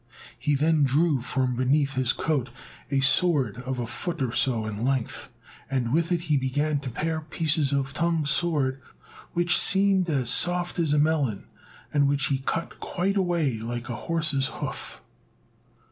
He then drew from beneath his coat a sword of a foot or so in length, and with it he began to pare pieces off Tung's sword, which seemed as soft as a melon, and which he cut quite away like a horse's hoof.